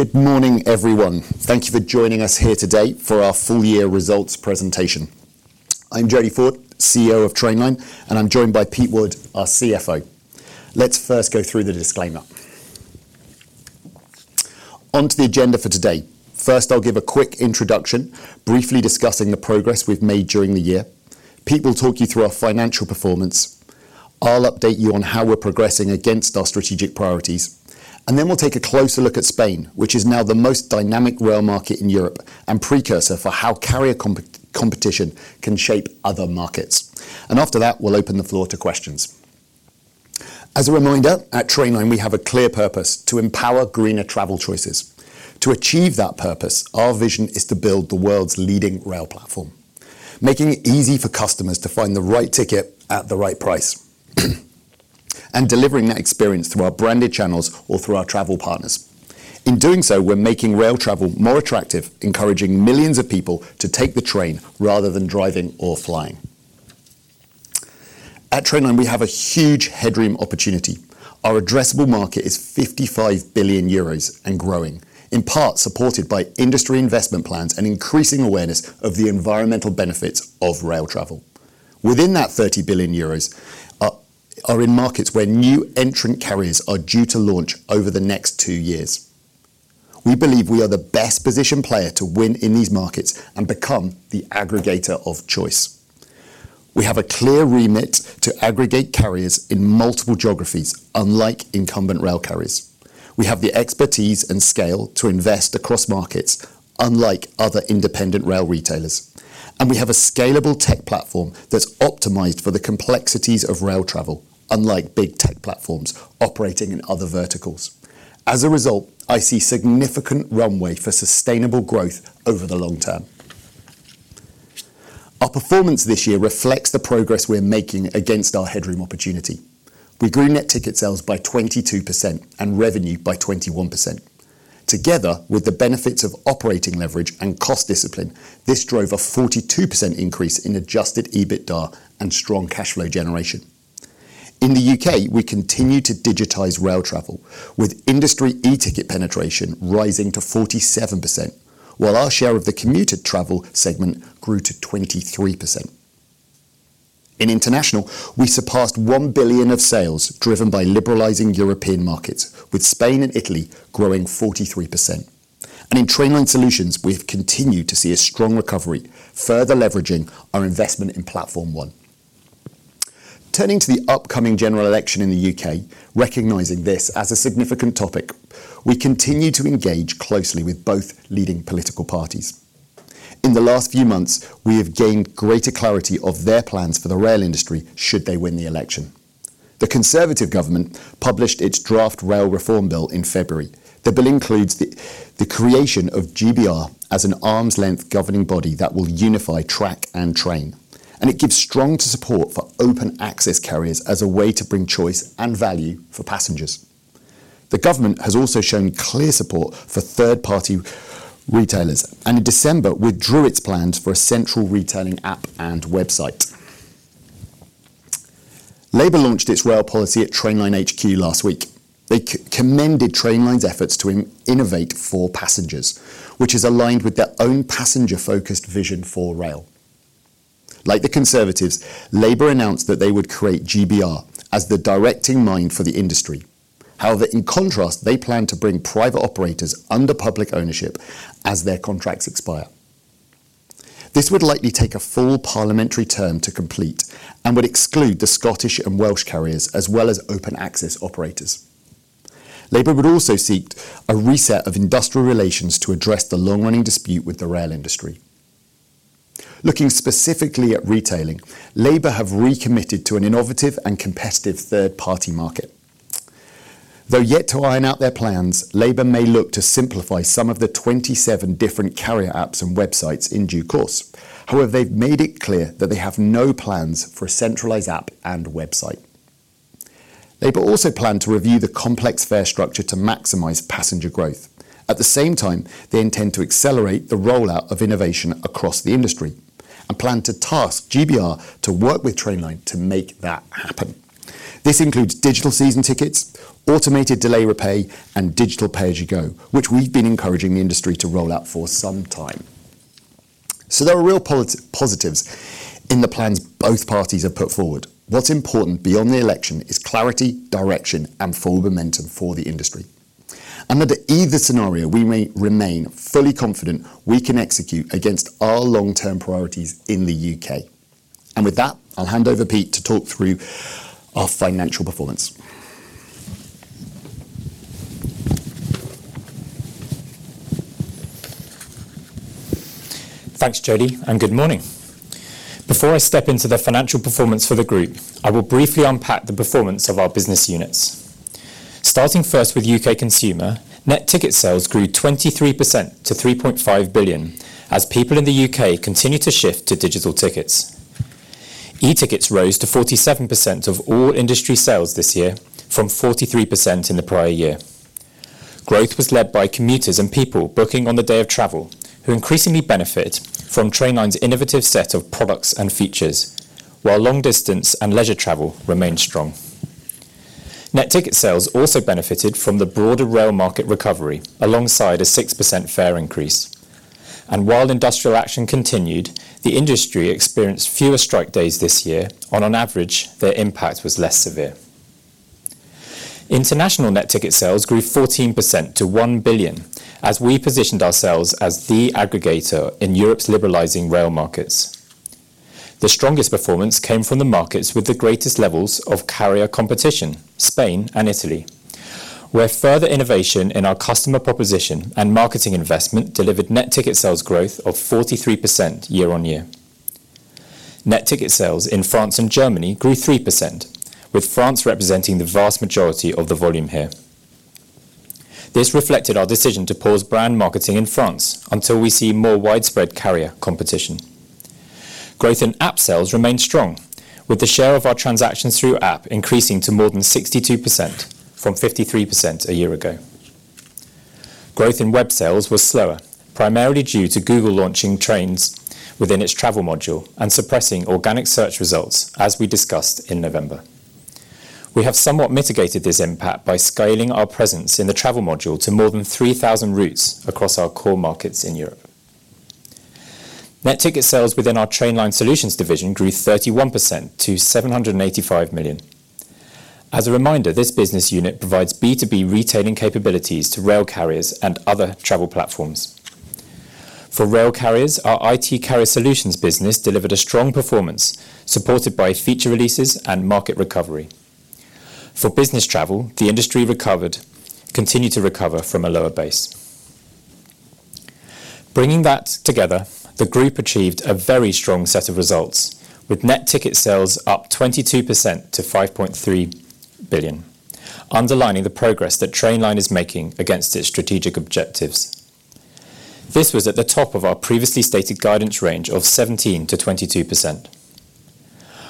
Good morning, everyone. Thank you for joining us here today for our full year results presentation. I'm Jody Ford, CEO of Trainline, and I'm joined by Pete Wood, our CFO. Let's first go through the disclaimer. On to the agenda for today. First, I'll give a quick introduction, briefly discussing the progress we've made during the year. Pete will talk you through our financial performance. I'll update you on how we're progressing against our strategic priorities, and then we'll take a closer look at Spain, which is now the most dynamic rail market in Europe and precursor for how carrier competition can shape other markets. And after that, we'll open the floor to questions. As a reminder, at Trainline, we have a clear purpose: to empower greener travel choices. To achieve that purpose, our vision is to build the world's leading rail platform, making it easy for customers to find the right ticket at the right price, and delivering that experience through our branded channels or through our travel partners. In doing so, we're making rail travel more attractive, encouraging millions of people to take the train rather than driving or flying. At Trainline, we have a huge headroom opportunity. Our addressable market is 55 billion euros and growing, in part supported by industry investment plans and increasing awareness of the environmental benefits of rail travel. Within that 30 billion euros are in markets where new entrant carriers are due to launch over the next two years. We believe we are the best-positioned player to win in these markets and become the aggregator of choice. We have a clear remit to aggregate carriers in multiple geographies, unlike incumbent rail carriers. We have the expertise and scale to invest across markets, unlike other independent rail retailers. We have a scalable tech platform that's optimized for the complexities of rail travel, unlike big tech platforms operating in other verticals. As a result, I see significant runway for sustainable growth over the long term. Our performance this year reflects the progress we're making against our headroom opportunity. We grew net ticket sales by 22% and revenue by 21%. Together, with the benefits of operating leverage and cost discipline, this drove a 42% increase in Adjusted EBITDA and strong cash flow generation. In the U.K., we continue to digitize rail travel, with industry e-ticket penetration rising to 47%, while our share of the commuter travel segment grew to 23%. In International, we surpassed 1 billion of sales, driven by liberalizing European markets, with Spain and Italy growing 43%. In Trainline Solutions, we have continued to see a strong recovery, further leveraging our investment in Platform One. Turning to the upcoming general election in the U.K., recognizing this as a significant topic, we continue to engage closely with both leading political parties. In the last few months, we have gained greater clarity of their plans for the rail industry, should they win the election. The Conservative government published its Draft Rail Reform Bill in February. The bill includes the creation of GBR as an arm's-length governing body that will unify track and train, and it gives strong support for open access carriers as a way to bring choice and value for passengers. The government has also shown clear support for third-party retailers, and in December, withdrew its plans for a central retailing app and website. Labour launched its rail policy at Trainline HQ last week. They commended Trainline's efforts to innovate for passengers, which is aligned with their own passenger-focused vision for rail. Like the Conservatives, Labour announced that they would create GBR as the directing mind for the industry. However, in contrast, they plan to bring private operators under public ownership as their contracts expire. This would likely take a full parliamentary term to complete and would exclude the Scottish and Welsh carriers, as well as open access operators. Labour would also seek a reset of industrial relations to address the long-running dispute with the rail industry. Looking specifically at retailing, Labour have recommitted to an innovative and competitive third-party market. Though yet to iron out their plans, Labour may look to simplify some of the 27 different carrier apps and websites in due course. However, they've made it clear that they have no plans for a centralized app and website. Labour also plan to review the complex fare structure to maximize passenger growth. At the same time, they intend to accelerate the rollout of innovation across the industry and plan to task GBR to work with Trainline to make that happen. This includes digital season tickets, automated Delay Repay, and digital pay-as-you-go, which we've been encouraging the industry to roll out for some time. So there are real political positives in the plans both parties have put forward. What's important beyond the election is clarity, direction, and full momentum for the industry. Under either scenario, we may remain fully confident we can execute against our long-term priorities in the U.K. With that, I'll hand over Pete to talk through our financial performance. Thanks, Jody, and good morning. Before I step into the financial performance for the group, I will briefly unpack the performance of our business units. Starting first with U.K. Consumer, net ticket sales grew 23% to 3.5 billion, as people in the U.K. continued to shift to digital tickets. E-tickets rose to 47% of all industry sales this year, from 43% in the prior year. Growth was led by commuters and people booking on the day of travel, who increasingly benefit from Trainline's innovative set of products and features, while long-distance and leisure travel remained strong. Net ticket sales also benefited from the broader rail market recovery, alongside a 6% fare increase. And while industrial action continued, the industry experienced fewer strike days this year, and on average, their impact was less severe. International net ticket sales grew 14% to 1 billion, as we positioned ourselves as the aggregator in Europe's liberalizing rail markets. The strongest performance came from the markets with the greatest levels of carrier competition, Spain and Italy, where further innovation in our customer proposition and marketing investment delivered net ticket sales growth of 43% year-on-year. Net ticket sales in France and Germany grew 3%, with France representing the vast majority of the volume here. This reflected our decision to pause brand marketing in France until we see more widespread carrier competition. Growth in app sales remained strong, with the share of our transactions through app increasing to more than 62% from 53% a year ago. Growth in web sales was slower, primarily due to Google launching trains within its travel module and suppressing organic search results, as we discussed in November. We have somewhat mitigated this impact by scaling our presence in the travel module to more than 3,000 routes across our core markets in Europe. Net ticket sales within our Trainline Solutions division grew 31% to 785 million. As a reminder, this business unit provides B2B retailing capabilities to rail carriers and other travel platforms. For rail carriers, our IT Carrier Solutions business delivered a strong performance, supported by feature releases and market recovery. For business travel, the industry recovered, continued to recover from a lower base. Bringing that together, the group achieved a very strong set of results, with net ticket sales up 22% to 5.3 billion, underlining the progress that Trainline is making against its strategic objectives. This was at the top of our previously stated guidance range of 17%-22%.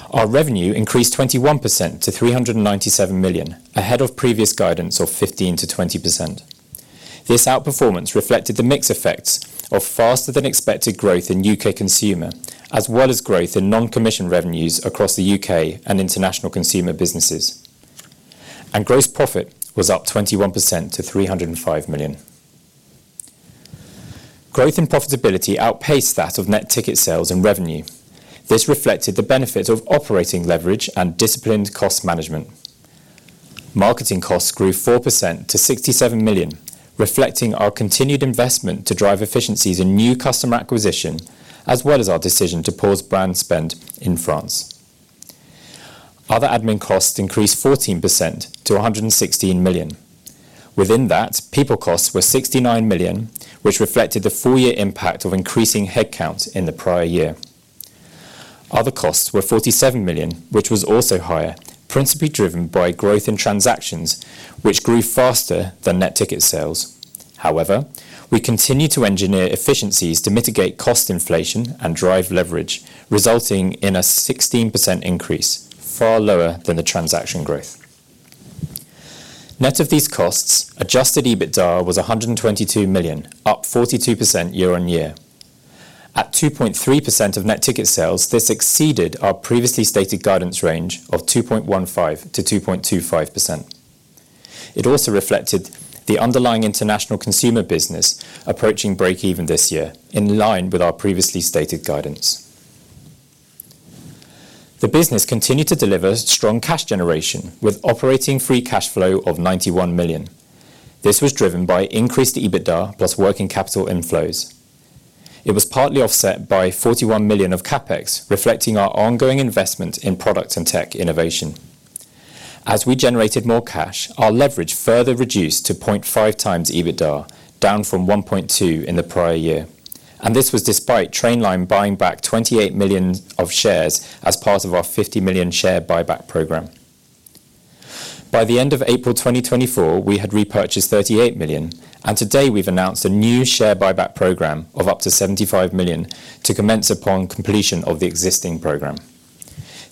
Our revenue increased 21% to 397 million, ahead of previous guidance of 15%-20%. This outperformance reflected the mix effects of faster-than-expected growth in U.K. Consumer, as well as growth in non-commission revenues across the U.K. and International Consumer businesses. Gross profit was up 21% to 305 million. Growth and profitability outpaced that of net ticket sales and revenue. This reflected the benefit of operating leverage and disciplined cost management. Marketing costs grew 4% to 67 million, reflecting our continued investment to drive efficiencies in new customer acquisition, as well as our decision to pause brand spend in France. Other admin costs increased 14% to 116 million. Within that, people costs were 69 million, which reflected the full year impact of increasing headcount in the prior year. Other costs were 47 million, which was also higher, principally driven by growth in transactions, which grew faster than net ticket sales. However, we continued to engineer efficiencies to mitigate cost inflation and drive leverage, resulting in a 16% increase, far lower than the transaction growth. Net of these costs, adjusted EBITDA was 122 million, up 42% year-on-year. At 2.3% of net ticket sales, this exceeded our previously stated guidance range of 2.15%-2.25%. It also reflected the underlying International Consumer business approaching breakeven this year, in line with our previously stated guidance. The business continued to deliver strong cash generation, with operating free cash flow of 91 million. This was driven by increased EBITDA plus working capital inflows. It was partly offset by 41 million of CapEx, reflecting our ongoing investment in product and tech innovation. As we generated more cash, our leverage further reduced to 0.5x EBITDA, down from 1.2 in the prior year, and this was despite Trainline buying back 28 million shares as part of our 50 million share buyback program. By the end of April 2024, we had repurchased 38 million, and today we've announced a new share buyback program of up to 75 million to commence upon completion of the existing program.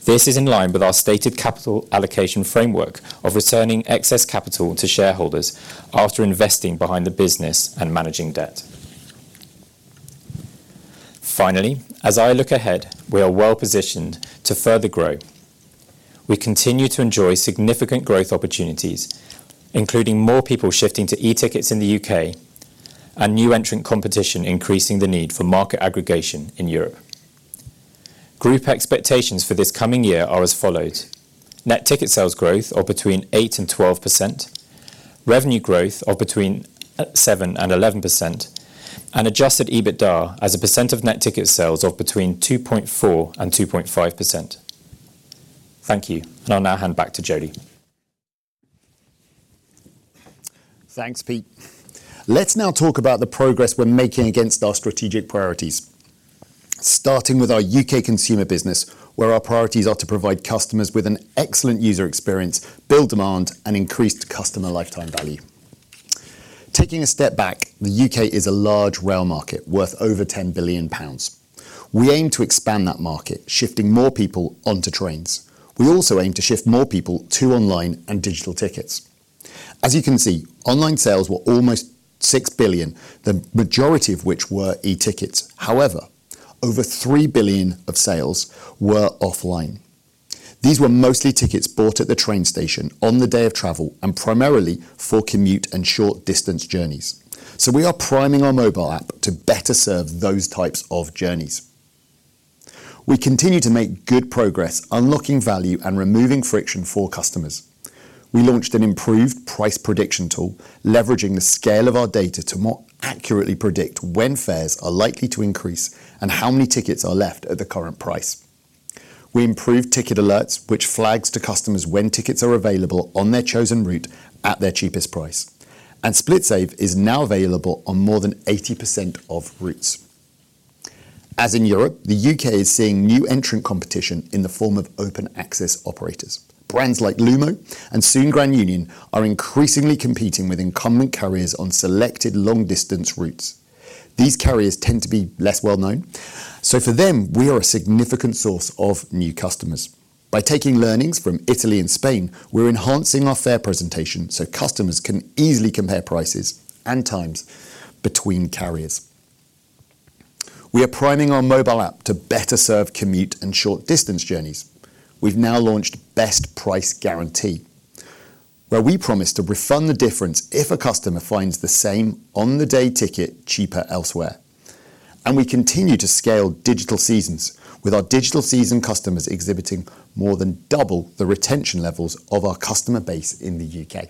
This is in line with our stated capital allocation framework of returning excess capital to shareholders after investing behind the business and managing debt. Finally, as I look ahead, we are well-positioned to further grow. We continue to enjoy significant growth opportunities, including more people shifting to e-tickets in the U.K. and new entrant competition, increasing the need for market aggregation in Europe. Group expectations for this coming year are as follows: Net ticket sales growth of between 8% and 12%, revenue growth of between seven and eleven percent, and adjusted EBITDA as a percent of net ticket sales of between 2.4% and 2.5%. Thank you. And I'll now hand back to Jody. Thanks, Pete. Let's now talk about the progress we're making against our strategic priorities, starting with our U.K. Consumer business, where our priorities are to provide customers with an excellent user experience, build demand, and increase customer lifetime value. Taking a step back, the U.K. is a large rail market, worth over 10 billion pounds. We aim to expand that market, shifting more people onto trains. We also aim to shift more people to online and digital tickets. As you can see, online sales were almost 6 billion, the majority of which were e-tickets. However, over 3 billion of sales were offline. These were mostly tickets bought at the train station on the day of travel, and primarily for commute and short distance journeys. So we are priming our mobile app to better serve those types of journeys. We continue to make good progress, unlocking value and removing friction for customers. We launched an improved price prediction tool, leveraging the scale of our data to more accurately predict when fares are likely to increase and how many tickets are left at the current price. We improved ticket alerts, which flags to customers when tickets are available on their chosen route at their cheapest price, and SplitSave is now available on more than 80% of routes. As in Europe, the U.K. is seeing new entrant competition in the form of open access operators. Brands like Lumo and soon Grand Union are increasingly competing with incumbent carriers on selected long-distance routes. These carriers tend to be less well known, so for them we are a significant source of new customers. By taking learnings from Italy and Spain, we're enhancing our fare presentation so customers can easily compare prices and times between carriers. We are priming our mobile app to better serve commute and short distance journeys. We've now launched Best Price Guarantee, where we promise to refund the difference if a customer finds the same on-the-day ticket cheaper elsewhere. We continue to scale digital seasons, with our digital season customers exhibiting more than double the retention levels of our customer base in the U.K.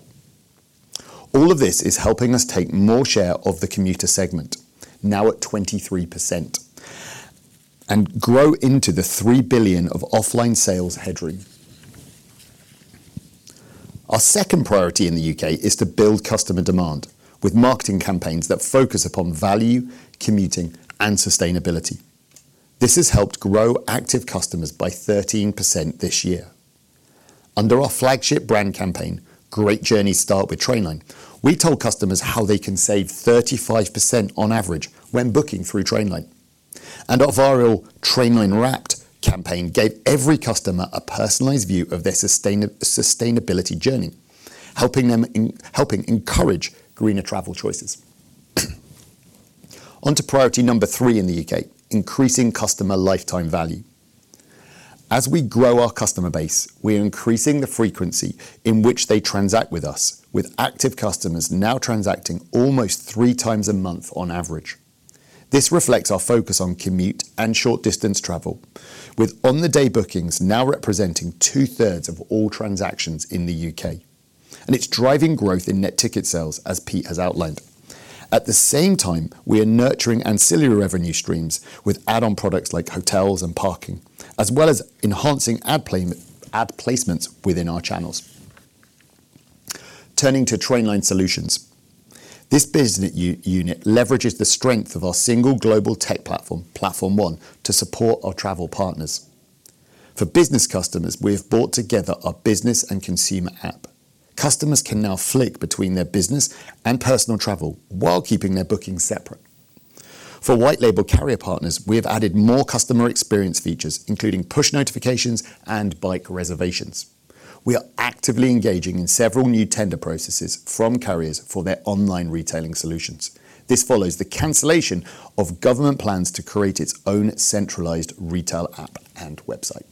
All of this is helping us take more share of the commuter segment, now at 23%, and grow into the 3 billion of offline sales headroom. Our second priority in the U.K. is to build customer demand, with marketing campaigns that focus upon value, commuting, and sustainability. This has helped grow active customers by 13% this year. Under our flagship brand campaign, Great Journeys Start with Trainline, we told customers how they can save 35% on average when booking through Trainline. Our viral Trainline Wrapped campaign gave every customer a personalized view of their sustainability journey, helping encourage greener travel choices. On to priority number three in the U.K., increasing customer lifetime value. As we grow our customer base, we are increasing the frequency in which they transact with us, with active customers now transacting almost three times a month on average. This reflects our focus on commute and short distance travel, with on-the-day bookings now representing 2/3 of all transactions in the U.K., and it's driving growth in net ticket sales, as Pete has outlined. At the same time, we are nurturing ancillary revenue streams with add-on products like hotels and parking, as well as enhancing ad placements within our channels. Turning to Trainline Solutions. This business unit leverages the strength of our single global tech platform, Platform One, to support our travel partners. For business customers, we have brought together our business and consumer app. Customers can now flick between their business and personal travel while keeping their bookings separate. For white label carrier partners, we have added more customer experience features, including push notifications and bike reservations. We are actively engaging in several new tender processes from carriers for their online retailing solutions. This follows the cancellation of government plans to create its own centralized retail app and website.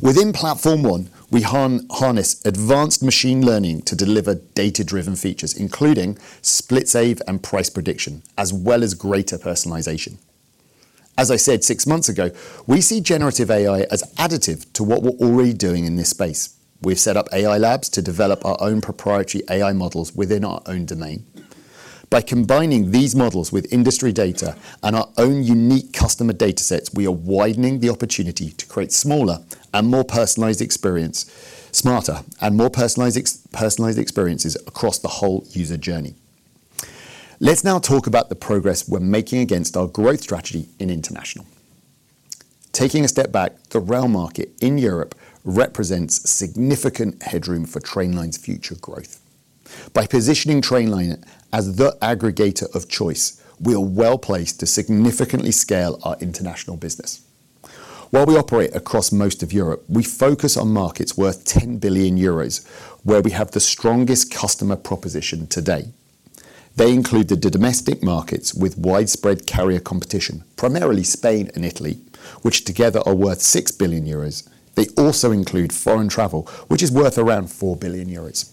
Within Platform One, we harness advanced machine learning to deliver data-driven features, including SplitSave and price prediction, as well as greater personalization. As I said six months ago, we see generative AI as additive to what we're already doing in this space. We've set up AI labs to develop our own proprietary AI models within our own domain. By combining these models with industry data and our own unique customer datasets, we are widening the opportunity to create smaller and more personalized experience, smarter and more personalized experiences across the whole user journey. Let's now talk about the progress we're making against our growth strategy in International. Taking a step back, the rail market in Europe represents significant headroom for Trainline's future growth. By positioning Trainline as the aggregator of choice, we are well-placed to significantly scale our International business. While we operate across most of Europe, we focus on markets worth 10 billion euros, where we have the strongest customer proposition today. They include the domestic markets with widespread carrier competition, primarily Spain and Italy, which together are worth 6 billion euros. They also include foreign travel, which is worth around 4 billion euros.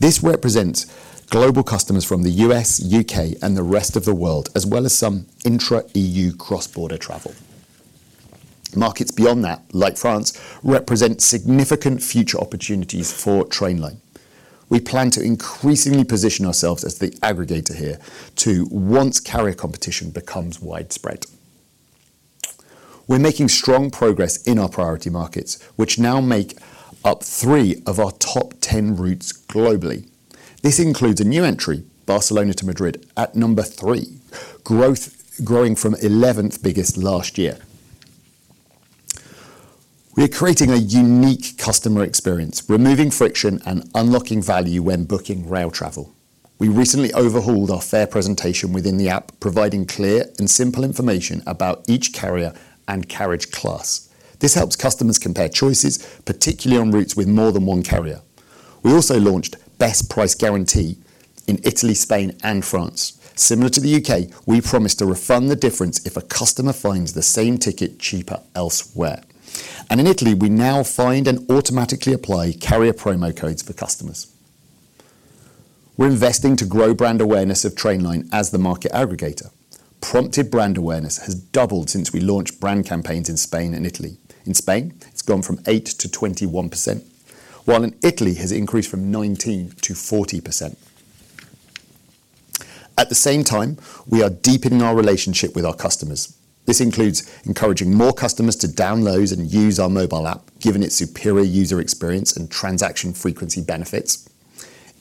This represents global customers from the U.S., U.K., and the rest of the world, as well as some intra-E.U. cross-border travel. Markets beyond that, like France, represent significant future opportunities for Trainline. We plan to increasingly position ourselves as the aggregator here too, once carrier competition becomes widespread. We're making strong progress in our priority markets, which now make up three of our top 10 routes globally. This includes a new entry, Barcelona to Madrid, at number three. Growth, growing from eleventh biggest last year. We are creating a unique customer experience, removing friction and unlocking value when booking rail travel. We recently overhauled our fare presentation within the app, providing clear and simple information about each carrier and carriage class. This helps customers compare choices, particularly on routes with more than one carrier. We also launched Best Price Guarantee in Italy, Spain, and France. Similar to the U.K., we promise to refund the difference if a customer finds the same ticket cheaper elsewhere. And in Italy, we now find and automatically apply carrier promo codes for customers. We're investing to grow brand awareness of Trainline as the market aggregator. Prompted brand awareness has doubled since we launched brand campaigns in Spain and Italy. In Spain, it's gone from 8%-21%, while in Italy, it has increased from 19%-40%. At the same time, we are deepening our relationship with our customers. This includes encouraging more customers to download and use our mobile app, given its superior user experience and transaction frequency benefits.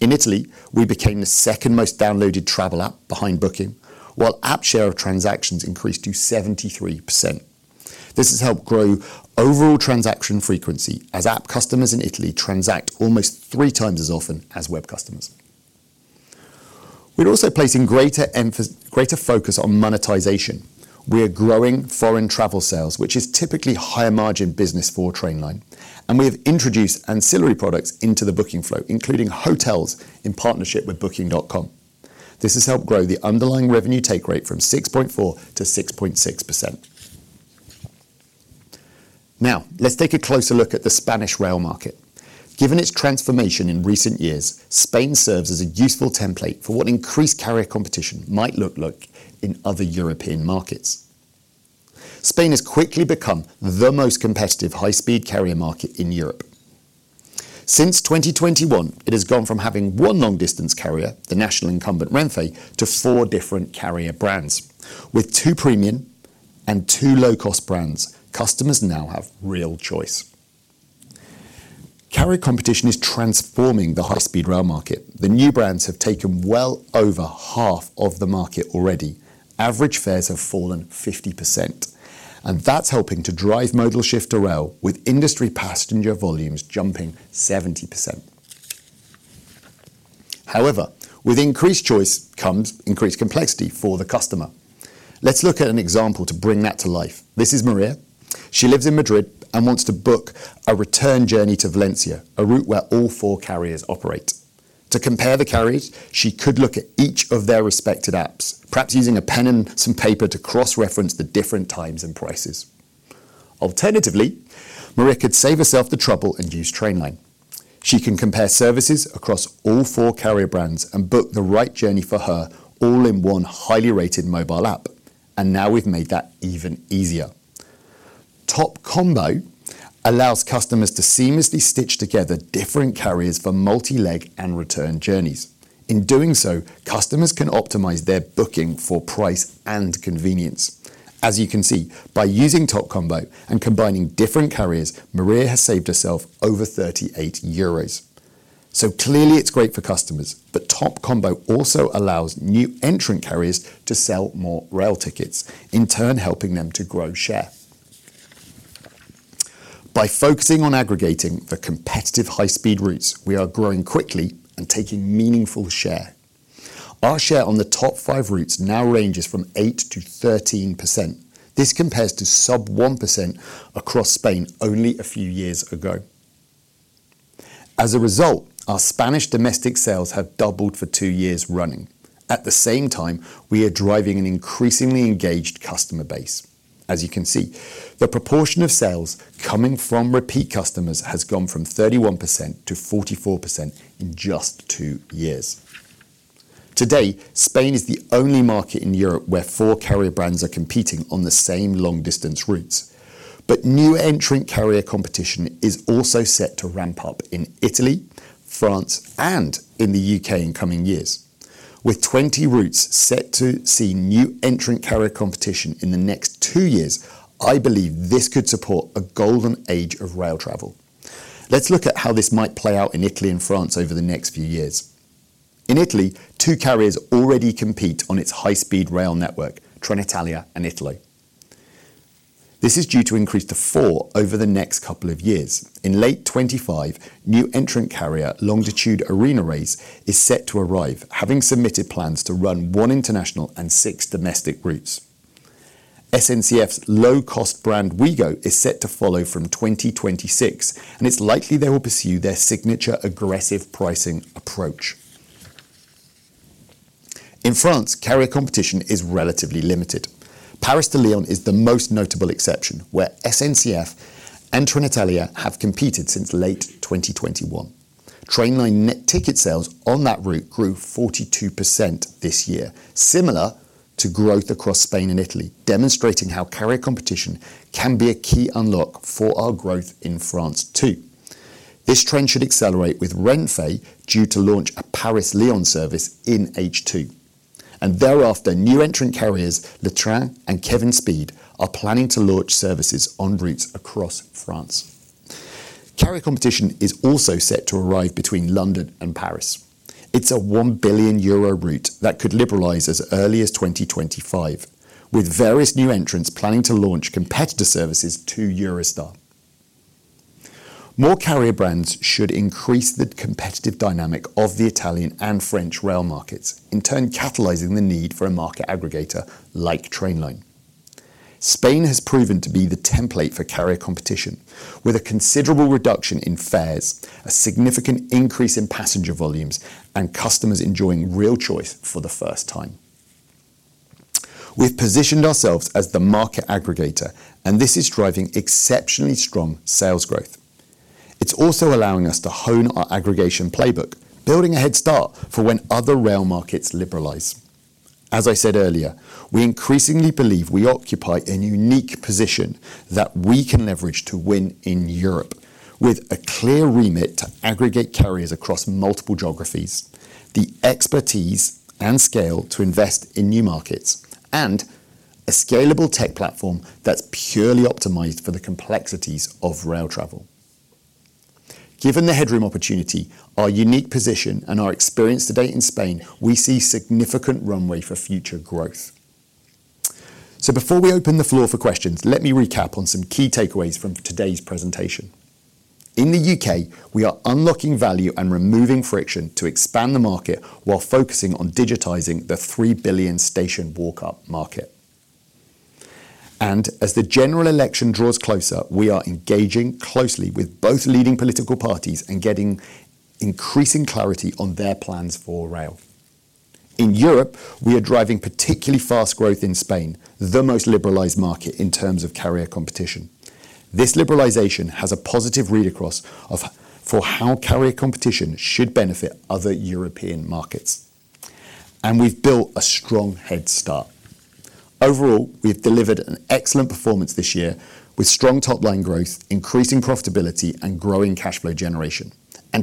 In Italy, we became the second most downloaded travel app behind Booking, while app share of transactions increased to 73%. This has helped grow overall transaction frequency, as app customers in Italy transact almost three times as often as web customers. We're also placing greater emphasis, greater focus on monetization. We are growing foreign travel sales, which is typically higher margin business for Trainline, and we have introduced ancillary products into the booking flow, including hotels in partnership with Booking.com. This has helped grow the underlying revenue take rate from 6.4%-6.6%. Now, let's take a closer look at the Spanish rail market. Given its transformation in recent years, Spain serves as a useful template for what increased carrier competition might look like in other European markets. Spain has quickly become the most competitive high-speed carrier market in Europe. Since 2021, it has gone from having one long-distance carrier, the national incumbent, Renfe, to four different carrier brands. With two premium and two low-cost brands, customers now have real choice. Carrier competition is transforming the high-speed rail market. The new brands have taken well over half of the market already. Average fares have fallen 50%, and that's helping to drive modal shift to rail, with industry passenger volumes jumping 70%. However, with increased choice comes increased complexity for the customer. Let's look at an example to bring that to life. This is Maria. She lives in Madrid and wants to book a return journey to Valencia, a route where all four carriers operate. To compare the carriers, she could look at each of their respective apps, perhaps using a pen and some paper to cross-reference the different times and prices. Alternatively, Maria could save herself the trouble and use Trainline. She can compare services across all four carrier brands and book the right journey for her all in one highly rated mobile app, and now we've made that even easier. Top Combo allows customers to seamlessly stitch together different carriers for multi-leg and return journeys. In doing so, customers can optimize their booking for price and convenience. As you can see, by using Top Combo and combining different carriers, Maria has saved herself over 38 euros. So clearly, it's great for customers, but Top Combo also allows new entrant carriers to sell more rail tickets, in turn, helping them to grow share. By focusing on aggregating for competitive high-speed routes, we are growing quickly and taking meaningful share. Our share on the top five routes now ranges from 8%-13%. This compares to sub 1% across Spain only a few years ago. As a result, our Spanish domestic sales have doubled for two years running. At the same time, we are driving an increasingly engaged customer base. As you can see, the proportion of sales coming from repeat customers has gone from 31% to 44% in just 2 years. Today, Spain is the only market in Europe where four carrier brands are competing on the same long-distance routes, but new entrant carrier competition is also set to ramp up in Italy, France, and in the U.K. in coming years. With 20 routes set to see new entrant carrier competition in the next two years, I believe this could support a golden age of rail travel. Let's look at how this might play out in Italy and France over the next few years. In Italy, two carriers already compete on its high-speed rail network, Trenitalia and Italo. This is due to increase to four over the next couple of years. In late 2025, new entrant carrier, Longitudine Arenaways, is set to arrive, having submitted plans to run one international and six domestic routes. SNCF's low-cost brand, Ouigo, is set to follow from 2026, and it's likely they will pursue their signature aggressive pricing approach. In France, carrier competition is relatively limited. Paris to Lyon is the most notable exception, where SNCF and Trenitalia have competed since late 2021. Trainline net ticket sales on that route grew 42% this year, similar to growth across Spain and Italy, demonstrating how carrier competition can be a key unlock for our growth in France, too. This trend should accelerate, with Renfe due to launch a Paris-Lyon service in H2, and thereafter, new entrant carriers, Le Train and Kevin Speed, are planning to launch services on routes across France. Carrier competition is also set to arrive between London and Paris. It's a 1 billion euro route that could liberalize as early as 2025, with various new entrants planning to launch competitor services to Eurostar. More carrier brands should increase the competitive dynamic of the Italian and French rail markets, in turn catalyzing the need for a market aggregator like Trainline. Spain has proven to be the template for carrier competition, with a considerable reduction in fares, a significant increase in passenger volumes, and customers enjoying real choice for the first time. We've positioned ourselves as the market aggregator, and this is driving exceptionally strong sales growth. It's also allowing us to hone our aggregation playbook, building a head start for when other rail markets liberalize. As I said earlier, we increasingly believe we occupy a unique position that we can leverage to win in Europe, with a clear remit to aggregate carriers across multiple geographies, the expertise and scale to invest in new markets, and a scalable tech platform that's purely optimized for the complexities of rail travel. Given the headroom opportunity, our unique position, and our experience to date in Spain, we see significant runway for future growth. So before we open the floor for questions, let me recap on some key takeaways from today's presentation. In the U.K., we are unlocking value and removing friction to expand the market while focusing on digitizing the 3 billion station walk-up market. As the general election draws closer, we are engaging closely with both leading political parties and getting increasing clarity on their plans for rail. In Europe, we are driving particularly fast growth in Spain, the most liberalized market in terms of carrier competition. This liberalization has a positive read-across for how carrier competition should benefit other European markets, and we've built a strong head start. Overall, we've delivered an excellent performance this year, with strong top-line growth, increasing profitability, and growing cash flow generation.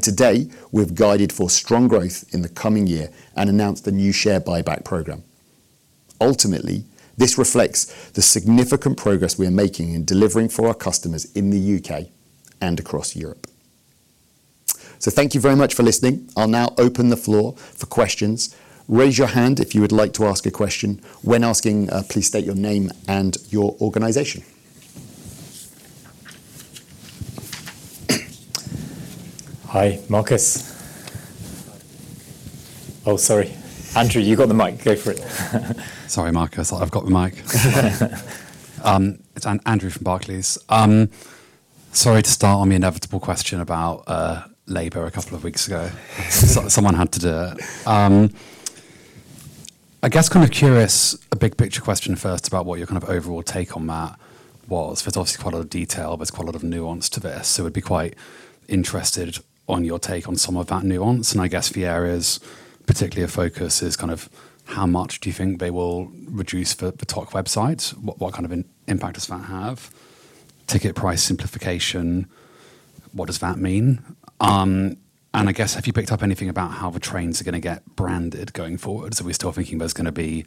Today, we've guided for strong growth in the coming year and announced a new share buyback program. Ultimately, this reflects the significant progress we are making in delivering for our customers in the U.K. and across Europe. Thank you very much for listening. I'll now open the floor for questions. Raise your hand if you would like to ask a question. When asking, please state your name and your organization. Hi, Marcus. Oh, sorry, Andrew, you got the mic. Go for it. Sorry, Marcus, I've got the mic. It's Andrew from Barclays. Sorry to start on the inevitable question about Labour a couple of weeks ago. So someone had to do it. I guess kind of curious, a big picture question first about what your kind of overall take on that was. There's obviously quite a lot of detail, there's quite a lot of nuance to this, so it'd be quite interested on your take on some of that nuance. And I guess the areas, particularly a focus, is kind of how much do you think they will reduce the TOC websites? What kind of an impact does that have? Ticket price simplification, what does that mean? And I guess, have you picked up anything about how the trains are gonna get branded going forward? Are we still thinking there's gonna be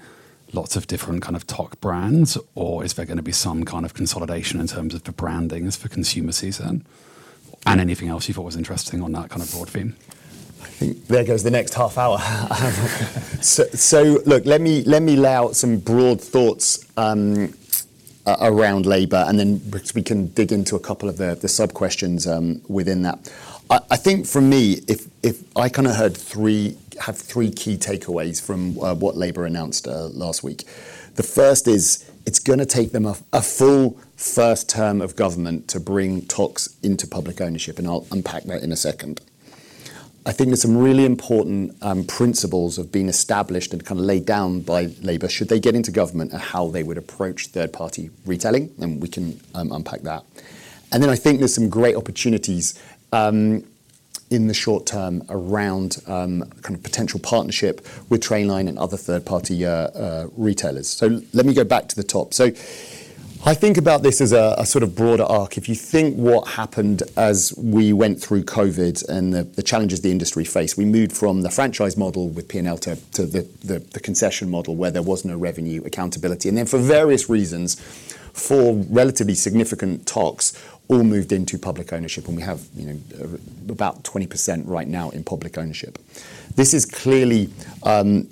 lots of different kind of TOC brands, or is there gonna be some kind of consolidation in terms of the branding as for consumer season? Anything else you thought was interesting on that kind of broad theme. I think there goes the next half hour. So look, let me lay out some broad thoughts around Labour, and then we can dig into a couple of the subquestions within that. I think for me, I have three key takeaways from what Labour announced last week. The first is, it's gonna take them a full first term of government to bring TOCs into public ownership, and I'll unpack that in a second. I think there's some really important principles being established and kinda laid down by Labour, should they get into government, on how they would approach third-party retailing, and we can unpack that. And then I think there's some great opportunities in the short term around kind of potential partnership with Trainline and other third-party retailers. So let me go back to the top. So I think about this as a sort of broader arc. If you think what happened as we went through Covid and the challenges the industry faced, we moved from the franchise model with P&L to the concession model, where there was no revenue accountability. And then, for various reasons, four relatively significant TOCs all moved into public ownership, and we have, you know, about 20% right now in public ownership. This is clearly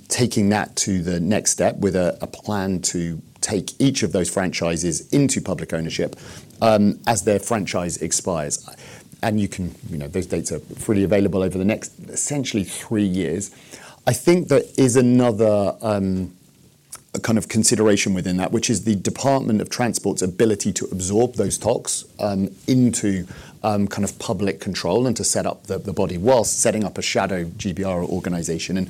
taking that to the next step with a plan to take each of those franchises into public ownership as their franchise expires. And you can, you know, those dates are fully available over the next essentially three years. I think there is another, kind of consideration within that, which is the Department of Transport's ability to absorb those TOCs, into, kind of public control and to set up the, the body whilst setting up a shadow GBR organization. And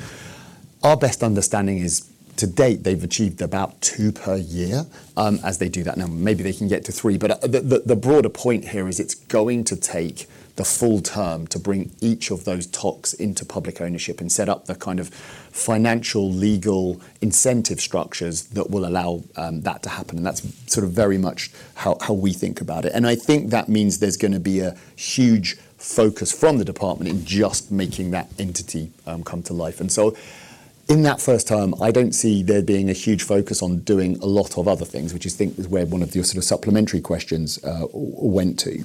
our best understanding is, to date, they've achieved about two per year, as they do that. Now, maybe they can get to three, but, the broader point here is it's going to take the full term to bring each of those TOCs into public ownership and set up the kind of financial, legal incentive structures that will allow, that to happen, and that's sort of very much how we think about it. And I think that means there's gonna be a huge focus from the department in just making that entity, come to life. And so in that first term, I don't see there being a huge focus on doing a lot of other things, which I think is where one of your sort of supplementary questions went to.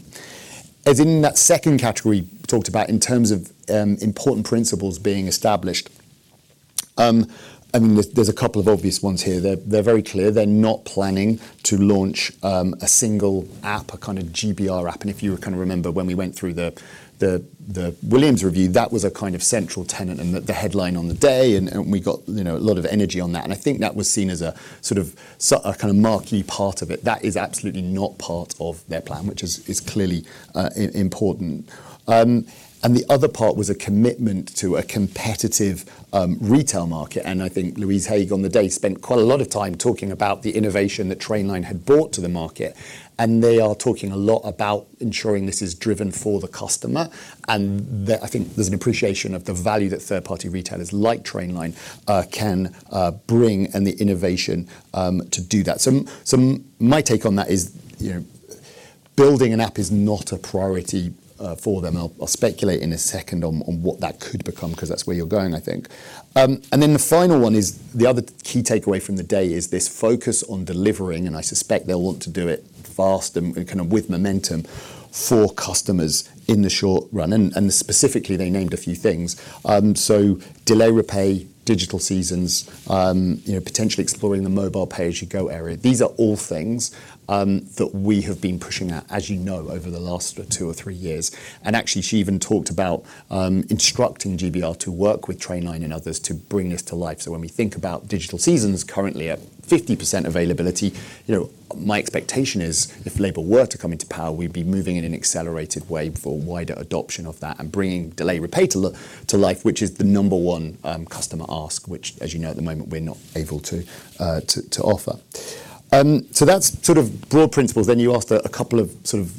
As in that second category, talked about in terms of important principles being established. I mean, there's a couple of obvious ones here. They're very clear. They're not planning to launch a single app, a kind of GBR app. And if you kind of remember when we went through the Williams Review, that was a kind of central tenet and the headline on the day, and we got, you know, a lot of energy on that. And I think that was seen as a sort of a kind of marquee part of it. That is absolutely not part of their plan, which is clearly important. And the other part was a commitment to a competitive retail market. And I think Louise Haigh, on the day, spent quite a lot of time talking about the innovation that Trainline had brought to the market, and they are talking a lot about ensuring this is driven for the customer. And there I think there's an appreciation of the value that third-party retailers like Trainline can bring, and the innovation to do that. So my take on that is, you know, building an app is not a priority for them. I'll speculate in a second on what that could become, 'cause that's where you're going, I think. And then the final one is, the other key takeaway from the day is this focus on delivering, and I suspect they'll want to do it fast and kind of with momentum for customers in the short run. And specifically, they named a few things. So Delay Repay, Digital seasons, you know, potentially exploring the mobile pay-as-you-go area. These are all things that we have been pushing at, as you know, over the last two or three years. And actually, she even talked about instructing GBR to work with Trainline and others to bring this to life. So when we think about digital seasons currently at 50% availability, you know, my expectation is if Labour were to come into power, we'd be moving in an accelerated way for wider adoption of that and bringing Delay Repay to life, which is the number one customer ask, which, as you know, at the moment, we're not able to offer. So that's sort of broad principles. Then you asked a couple of sort of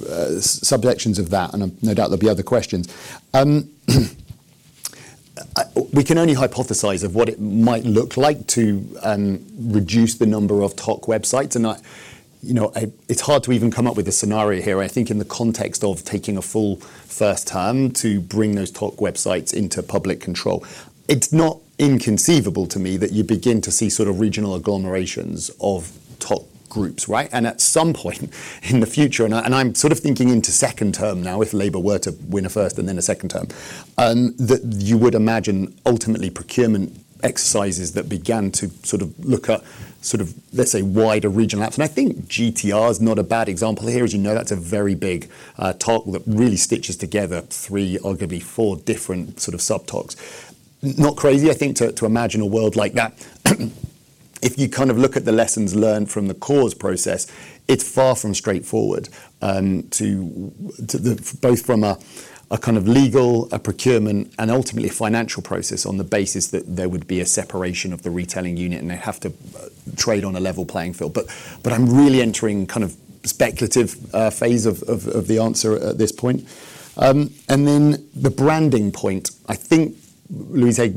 sub sections of that, and no doubt there'll be other questions. We can only hypothesize of what it might look like to reduce the number of TOC websites. And you know, it's hard to even come up with a scenario here, I think, in the context of taking a full first term to bring those TOC websites into public control. It's not inconceivable to me that you begin to see sort of regional agglomerations of TOC groups, right? And at some point in the future, and I, I'm sort of thinking into second term now, if Labour were to win a first and then a second term, that you would imagine, ultimately, procurement exercises that began to sort of look at sort of, let's say, wider regional apps. And I think GTR is not a bad example here. As you know, that's a very big, TOC that really stitches together three, arguably four different sort of sub TOCs. Not crazy, I think, to imagine a world like that. If you kind of look at the lessons learned from the Coast process, it's far from straightforward, both from a kind of legal, a procurement, and ultimately a financial process, on the basis that there would be a separation of the retailing unit, and they have to trade on a level playing field. But I'm really entering kind of speculative phase of the answer at this point. And then the branding point, I think Louise Haigh,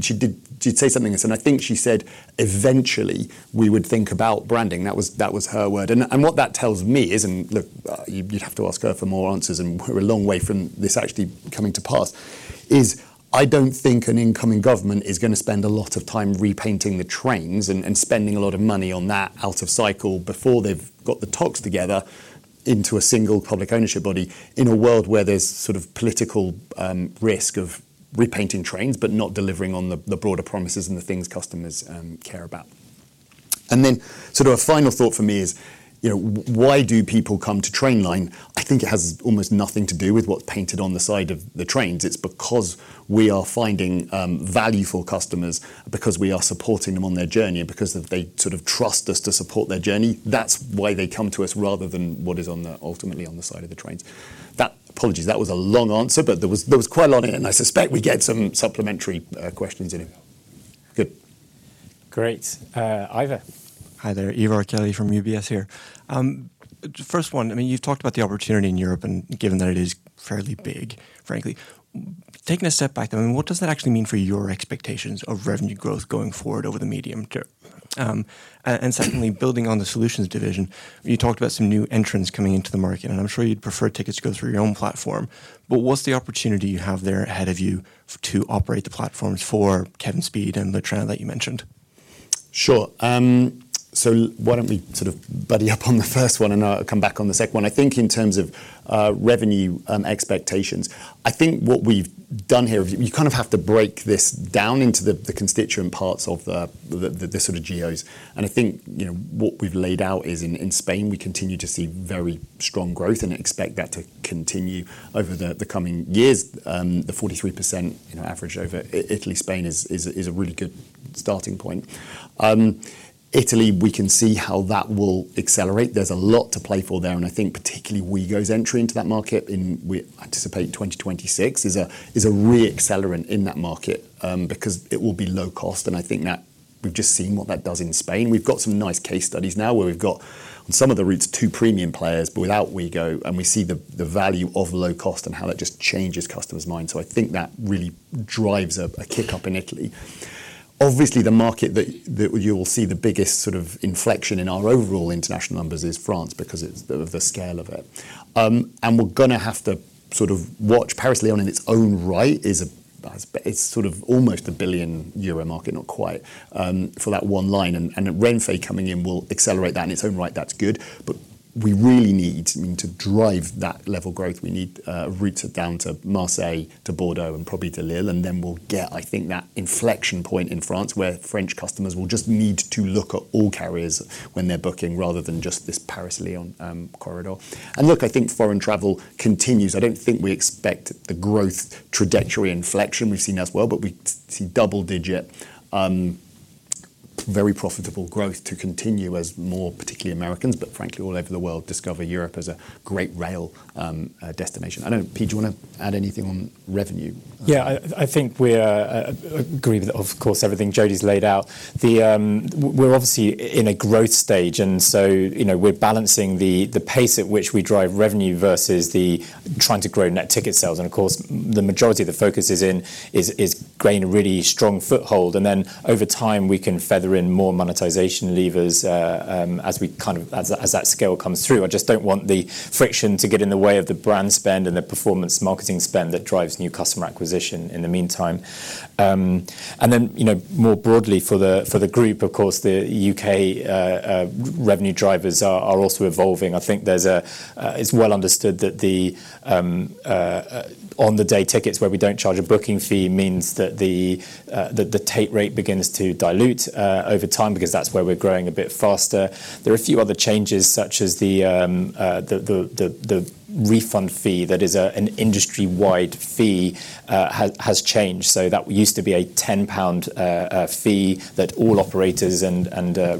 she did say something this, and I think she said, "Eventually, we would think about branding." That was her word. What that tells me is, and look, you'd have to ask her for more answers, and we're a long way from this actually coming to pass, is I don't think an incoming government is going to spend a lot of time repainting the trains and spending a lot of money on that out of cycle before they've got the TOCs together into a single public ownership body in a world where there's sort of political risk of repainting trains, but not delivering on the broader promises and the things customers care about. And then sort of a final thought for me is, you know, why do people come to Trainline? I think it has almost nothing to do with what's painted on the side of the trains. It's because we are finding value for customers, because we are supporting them on their journey, and because they sort of trust us to support their journey. That's why they come to us, rather than what is on the, ultimately, on the side of the trains. That—apologies, that was a long answer, but there was quite a lot in it, and I suspect we get some supplementary questions anyway. Good. Great. Ivar? Hi there, Ivar Kelly from UBS here. First one, I mean, you've talked about the opportunity in Europe, and given that it is fairly big, frankly. Taking a step back, I mean, what does that actually mean for your expectations of revenue growth going forward over the medium term? And secondly, building on the solutions division, you talked about some new entrants coming into the market, and I'm sure you'd prefer tickets to go through your own platform, but what's the opportunity you have there ahead of you to operate the platforms for Kevin Speed and Le Train that you mentioned? Sure. So why don't we sort of buddy up on the first one, and I'll come back on the second one? I think in terms of revenue expectations, I think what we've done here, you kind of have to break this down into the constituent parts of the sort of geos. And I think, you know, what we've laid out is in Spain, we continue to see very strong growth and expect that to continue over the coming years. The 43%, you know, average over Italy, Spain is a really good starting point. Italy, we can see how that will accelerate. There's a lot to play for there, and I think particularly Ouigo's entry into that market in, we anticipate 2026, is a re-accelerant in that market, because it will be low cost, and I think that we've just seen what that does in Spain. We've got some nice case studies now, where we've got, on some of the routes, two premium players, but without Ouigo, and we see the value of low cost and how that just changes customers' minds. So I think that really drives a kick up in Italy. Obviously, the market that you will see the biggest sort of inflection in our overall international numbers is France, because it's the scale of it. And we're gonna have to sort of watch. Paris-Lyon in its own right is a, it's sort of almost a 1 billion euro market, not quite, for that one line. And Renfe coming in will accelerate that in its own right. That's good, but- we really need, I mean, to drive that level growth, we need routes down to Marseille, to Bordeaux, and probably to Lille, and then we'll get, I think, that inflection point in France, where French customers will just need to look at all carriers when they're booking, rather than just this Paris-Lyon corridor. And look, I think foreign travel continues. I don't think we expect the growth trajectory inflection we've seen as well, but we see double-digit, very profitable growth to continue as more, particularly Americans, but frankly, all over the world, discover Europe as a great rail destination. I don't know, Pete, do you want to add anything on revenue? Yeah, I think we agree with, of course, everything Jody's laid out. We're obviously in a growth stage, and so, you know, we're balancing the pace at which we drive revenue versus trying to grow net ticket sales. And of course, the majority of the focus is gaining a really strong foothold, and then over time, we can feather in more monetization levers as we kind of as that scale comes through. I just don't want the friction to get in the way of the brand spend and the performance marketing spend that drives new customer acquisition in the meantime. And then, you know, more broadly for the group, of course, the U.K. revenue drivers are also evolving. I think it's well understood that the on-the-day tickets, where we don't charge a booking fee, means that the take rate begins to dilute over time because that's where we're growing a bit faster. There are a few other changes, such as the refund fee, that is an industry-wide fee, has changed. So that used to be a 10 pound fee that all operators and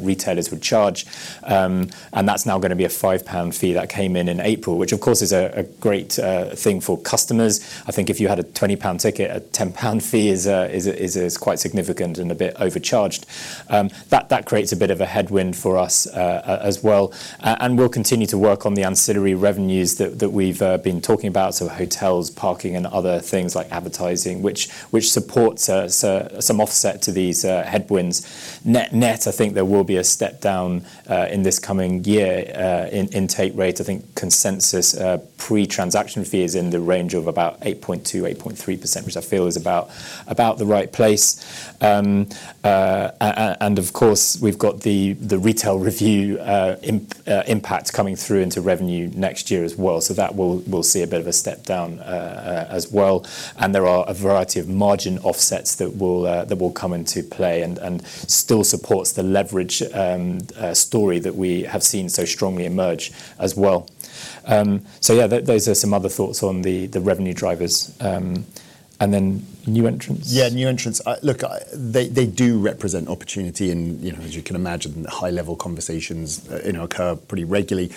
retailers would charge. And that's now gonna be a 5 pound fee. That came in in April, which of course, is a great thing for customers. I think if you had a 20 pound ticket, a 10 pound fee is quite significant and a bit overcharged. That creates a bit of a headwind for us as well. And we'll continue to work on the ancillary revenues that we've been talking about, so hotels, parking, and other things like advertising, which supports so some offset to these headwinds. Net-net, I think there will be a step down in this coming year in take rate. I think consensus pre-transaction fee is in the range of about 8.2%-8.3%, which I feel is about the right place. And of course, we've got the retail review impact coming through into revenue next year as well. So that will we'll see a bit of a step down as well. There are a variety of margin offsets that will come into play and still supports the leverage story that we have seen so strongly emerge as well. So yeah, those are some other thoughts on the revenue drivers, and then new entrants? Yeah, new entrants. They do represent opportunity, and, you know, as you can imagine, the high-level conversations, you know, occur pretty regularly.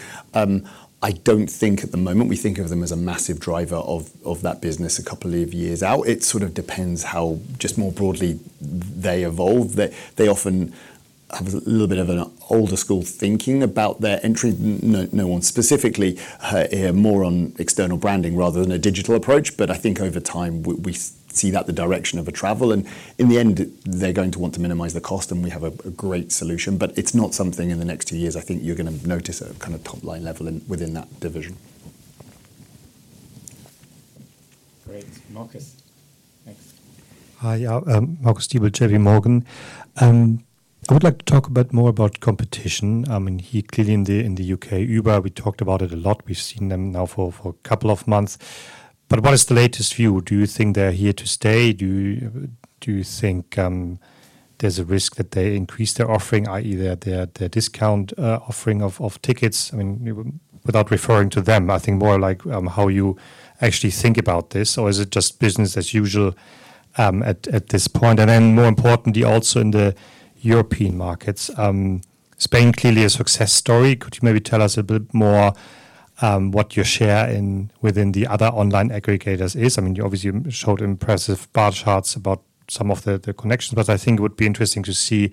I don't think at the moment we think of them as a massive driver of that business a couple of years out. It sort of depends how just more broadly they evolve. They often have a little bit of an older school of thinking about their entry. No one specifically, more on external branding rather than a digital approach, but I think over time, we see that the direction of travel, and in the end, they're going to want to minimize the cost, and we have a great solution. But it's not something in the next two years I think you're gonna notice a kind of top-line level within that division. Great. Marcus, next. Hi, yeah, Marcus Diebel, JPMorgan. I would like to talk a bit more about competition. I mean, here, clearly in the U.K., Uber, we talked about it a lot. We've seen them now for a couple of months, but what is the latest view? Do you think they're here to stay? Do you think there's a risk that they increase their offering, i.e., their discount offering of tickets? I mean, without referring to them, I think more like how you actually think about this, or is it just business as usual at this point? And then more importantly, also in the European markets, Spain, clearly a success story. Could you maybe tell us a bit more what your share within the other online aggregators is? I mean, you obviously showed impressive bar charts about some of the, the connections, but I think it would be interesting to see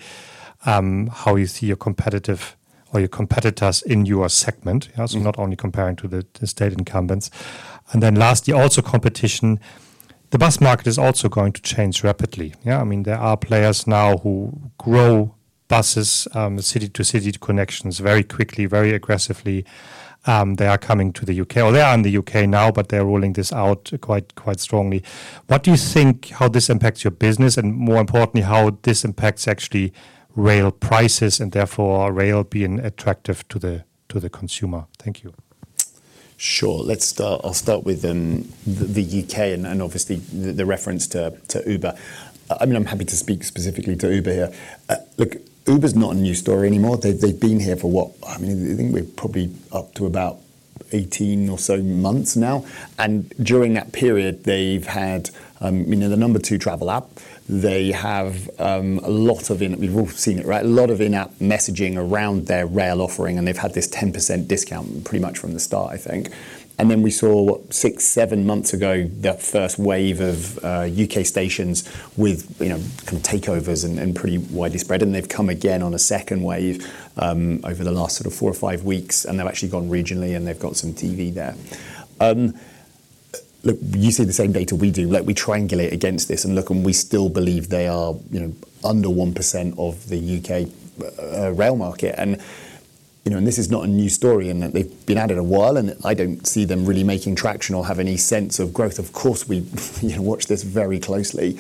how you see your competitive or your competitors in your segment, you know, so not only comparing to the, the state incumbents. And then lastly, also competition. The bus market is also going to change rapidly. Yeah, I mean, there are players now who grow buses city-to-city connections very quickly, very aggressively. They are coming to the U.K., or they are in the U.K. now, but they're rolling this out quite, quite strongly. What do you think how this impacts your business, and more importantly, how this impacts actually rail prices, and therefore, rail being attractive to the, to the consumer? Thank you. Sure. Let's start. I'll start with the U.K. and obviously the reference to Uber. I mean, I'm happy to speak specifically to Uber here. Look, Uber's not a new story anymore. They've been here for what? I mean, I think we're probably up to about 18 or so months now, and during that period, they've had, you know, the number two travel app. They have a lot of in, we've all seen it, right? A lot of in-app messaging around their rail offering, and they've had this 10% discount pretty much from the start, I think. And then we saw, what? six, seven months ago, their first wave of U.K. stations with, you know, kind of takeovers and, and pretty widely spread, and they've come again on a second wave, over the last sort of four or five weeks, and they've actually gone regionally, and they've got some TV there. Look, you see the same data we do. Like, we triangulate against this, and look, and we still believe they are, you know, under 1% of the U.K. rail market. And, you know, and this is not a new story in that they've been at it a while, and I don't see them really making traction or have any sense of growth. Of course, we, you know, watch this very closely.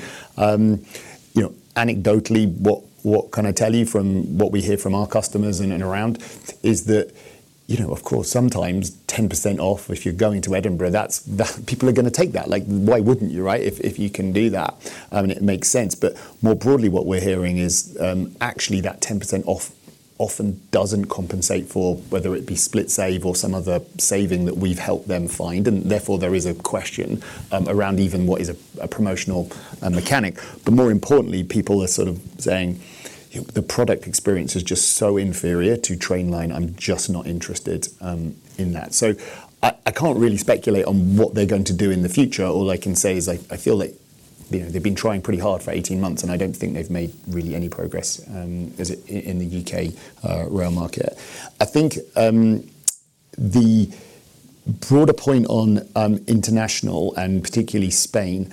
You know, anecdotally, what, what can I tell you from what we hear from our customers in and around, is that- you know, of course, sometimes 10% off if you're going to Edinburgh, that's people are gonna take that. Like, why wouldn't you, right? If you can do that, it makes sense. But more broadly, what we're hearing is, actually, that 10% off often doesn't compensate for whether it be SplitSave or some other saving that we've helped them find, and therefore, there is a question around even what is a promotional mechanic. But more importantly, people are sort of saying, "The product experience is just so inferior to Trainline. I'm just not interested in that." So I can't really speculate on what they're going to do in the future. All I can say is I feel like, you know, they've been trying pretty hard for 18 months, and I don't think they've made really any progress, as in, in the U.K. rail market. I think the broader point on international, and particularly Spain,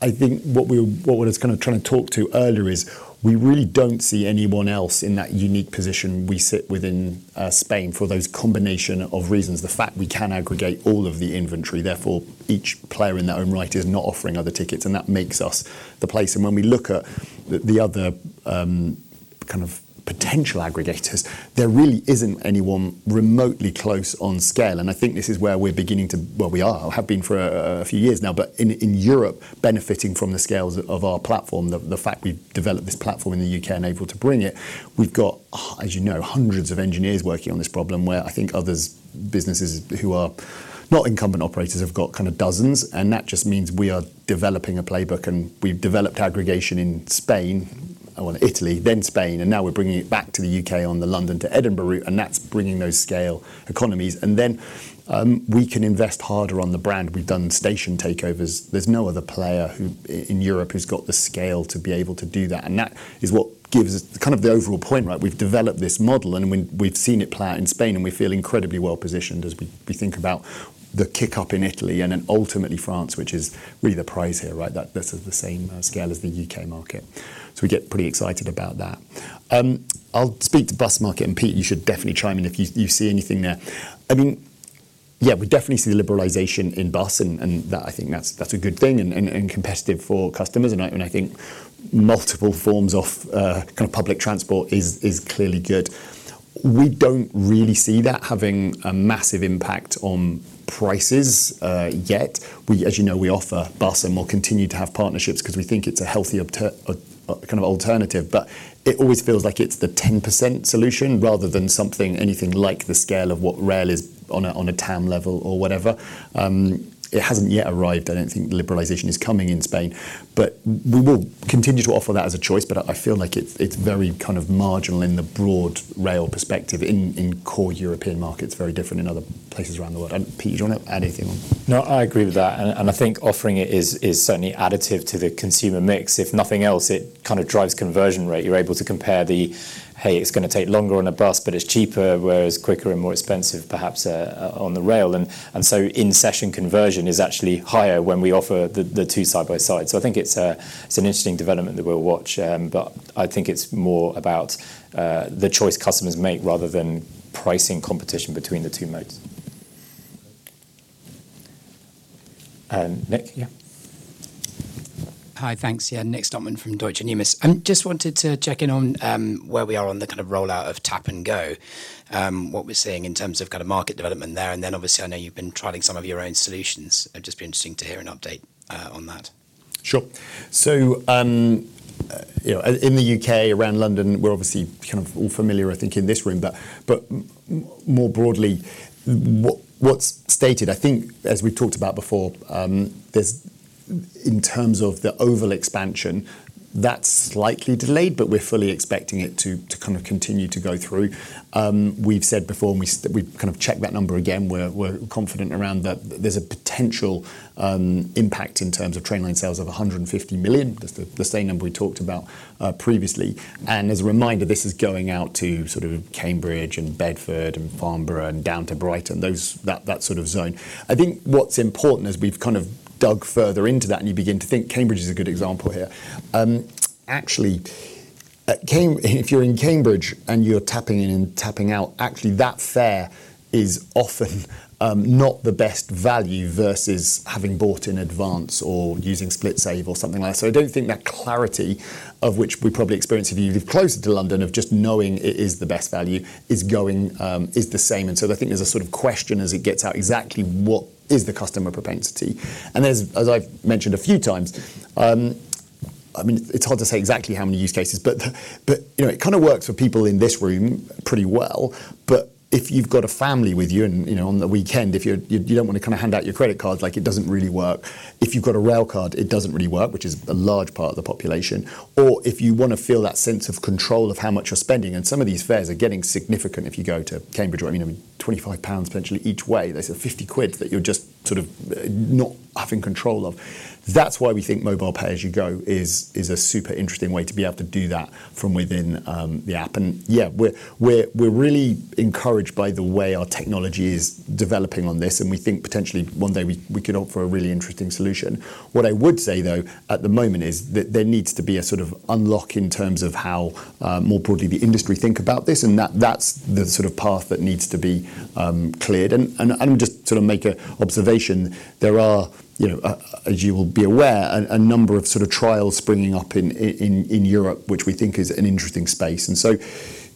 I think what I was kind of trying to talk to earlier is we really don't see anyone else in that unique position we sit within, Spain, for those combination of reasons. The fact we can aggregate all of the inventory, therefore, each player in their own right is not offering other tickets, and that makes us the place. When we look at the other kind of potential aggregators, there really isn't anyone remotely close on scale, and I think this is where we're beginning to, well, we are, have been for a few years now, but in Europe, benefiting from the scales of our platform, the fact we've developed this platform in the U.K. and able to bring it. We've got, as you know, hundreds of engineers working on this problem, where I think others, businesses who are not incumbent operators, have got kind of dozens, and that just means we are developing a playbook, and we've developed aggregation in Spain, well, Italy, then Spain, and now we're bringing it back to the U.K. on the London to Edinburgh route, and that's bringing those scale economies. Then, we can invest harder on the brand. We've done station takeovers. There's no other player who, in Europe, who's got the scale to be able to do that, and that is what gives us kind of the overall point, right? We've developed this model, and we've seen it play out in Spain, and we feel incredibly well positioned as we think about the kick-up in Italy and then ultimately France, which is really the prize here, right? That's of the same scale as the U.K. market. So we get pretty excited about that. I'll speak to bus market, and, Pete, you should definitely chime in if you see anything there. I mean, yeah, we definitely see the liberalization in bus, and that I think that's a good thing and competitive for customers, and I think multiple forms of kind of public transport is clearly good. We don't really see that having a massive impact on prices yet. We, as you know, we offer bus and we'll continue to have partnerships 'cause we think it's a healthy alternative, but it always feels like it's the 10% solution rather than something, anything like the scale of what rail is on a TAM level or whatever. It hasn't yet arrived. I don't think liberalization is coming in Spain, but we will continue to offer that as a choice, but I feel like it's very kind of marginal in the broad rail perspective, in core European markets, very different in other places around the world. Pete, do you want to add anything on? No, I agree with that, and I think offering it is certainly additive to the consumer mix. If nothing else, it kind of drives conversion rate. You're able to compare the, Hey, it's gonna take longer on a bus, but it's cheaper, whereas quicker and more expensive, perhaps, on the rail. And so in-session conversion is actually higher when we offer the two side by side. So I think it's an interesting development that we'll watch, but I think it's more about the choice customers make rather than pricing competition between the two modes. Nick, yeah. Hi, thanks, yeah. Nick Stockman from Deutsche Numis. Just wanted to check in on where we are on the kind of rollout of Tap and Go, what we're seeing in terms of kind of market development there, and then, obviously, I know you've been trialing some of your own solutions. It'd just be interesting to hear an update on that. Sure. So, you know, in the U.K., around London, we're obviously kind of all familiar, I think, in this room, but, but more broadly, what's stated, I think, as we talked about before, there's in terms of the Oyster expansion, that's slightly delayed, but we're fully expecting it to, to kind of continue to go through. We've said before, and we, we kind of checked that number again, we're, we're confident around that. There's a potential impact in terms of Trainline sales of 150 million. That's the, the same number we talked about previously. And as a reminder, this is going out to sort of Cambridge and Bedford and Farnborough, and down to Brighton, that sort of zone. I think what's important as we've kind of dug further into that, and you begin to think, Cambridge is a good example here. Actually, if you're in Cambridge, and you're tapping in and tapping out, actually, that fare is often not the best value versus having bought in advance or using SplitSave or something like that. So I don't think that clarity, of which we probably experience if you live closer to London, of just knowing it is the best value, is going, is the same. And so I think there's a sort of question as it gets out, exactly what is the customer propensity? And as I've mentioned a few times, I mean, it's hard to say exactly how many use cases, but you know, it kind of works for people in this room pretty well. But if you've got a family with you and, you know, on the weekend, if you're you don't want to kind of hand out your credit card, like it doesn't really work. If you've got a Railcard, it doesn't really work, which is a large part of the population, or if you want to feel that sense of control of how much you're spending, and some of these fares are getting significant if you go to Cambridge, or, I mean, 25 pounds potentially each way. That's 50 quid that you're just sort of not having control of. That's why we think mobile pay as you go is a super interesting way to be able to do that from within the app. Yeah, we're really encouraged by the way our technology is developing on this, and we think potentially one day we could offer a really interesting solution. What I would say, though, at the moment, is that there needs to be a sort of unlock in terms of how more broadly the industry think about this, and that's the sort of path that needs to be cleared. And just to sort of make an observation, there are, you know, as you will be aware, a number of sort of trials springing up in Europe, which we think is an interesting space. And so,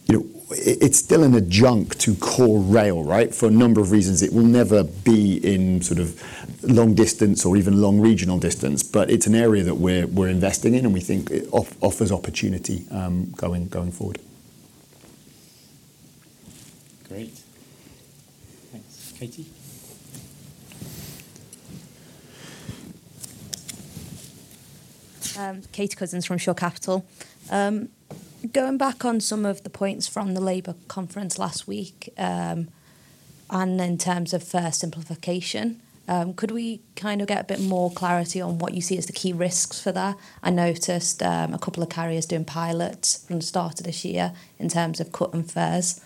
you know, it's still in the incumbent core rail, right? For a number of reasons. It will never be in sort of long distance or even long regional distance, but it's an area that we're investing in, and we think it offers opportunity, going forward. Great. Thanks. Katie? Katie Cousins from Shore Capital. Going back on some of the points from the Labour Conference last week, and in terms of fare simplification, could we kind of get a bit more clarity on what you see as the key risks for that? I noticed, a couple of carriers doing pilots from the start of this year in terms of cutting fares.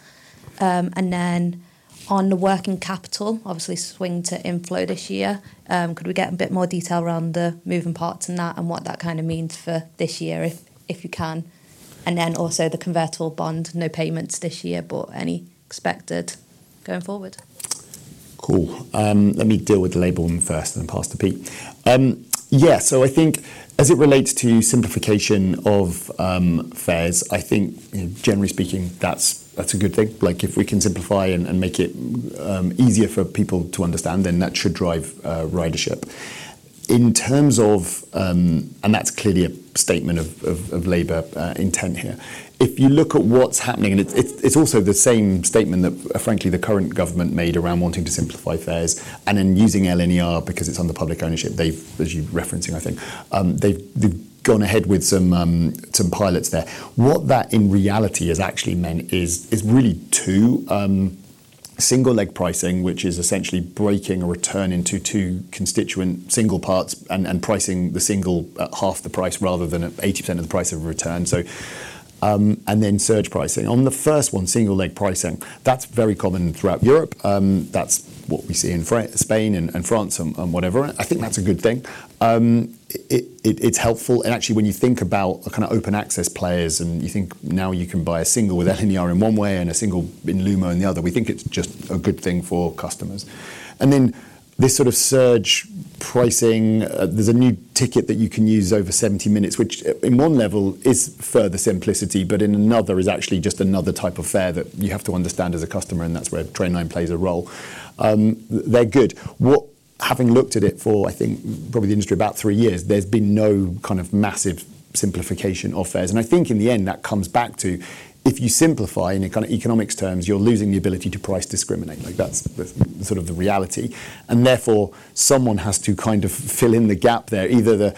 And then on the working capital, obviously swing to inflow this year, could we get a bit more detail around the moving parts in that and what that kind of means for this year, if you can? And then also the convertible bond, no payments this year, but any expected going forward? Cool. Let me deal with the Labour one first, then pass to Pete. Yeah, so I think as it relates to simplification of fares, I think, you know, generally speaking, that's, that's a good thing. Like, if we can simplify and, and make it easier for people to understand, then that should drive ridership. In terms of—and that's clearly a statement of, of, of Labour intent here. If you look at what's happening, and it's, it's, it's also the same statement that frankly, the current government made around wanting to simplify fares and then using LNER because it's under public ownership. They've, as you're referencing, I think, they've, they've gone ahead with some, some pilots there. What that in reality has actually meant is really two single leg pricing, which is essentially breaking a return into two constituent single parts and pricing the single at half the price rather than at 80% of the price of a return. So, and then surge pricing. On the first one, single leg pricing, that's very common throughout Europe. That's what we see in France and Spain, and whatever. I think that's a good thing. It's helpful. And actually, when you think about the kind of open access players, and you think now you can buy a single with LNER in one way and a single in Lumo in the other, we think it's just a good thing for customers. And then this sort of surge pricing, there's a new ticket that you can use over 70 minutes, which in one level is further simplicity, but in another, is actually just another type of fare that you have to understand as a customer, and that's where Trainline plays a role. They're good. Having looked at it for, I think, probably the industry about three years, there's been no kind of massive simplification of fares. And I think in the end, that comes back to if you simplify in kind of economics terms, you're losing the ability to price discriminate. Like, that's the, sort of the reality, and therefore, someone has to kind of fill in the gap there. Either